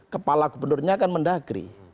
kepala gubernurnya akan mendagri